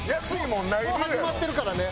もう始まってるからね。